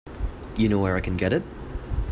You know where I can get it?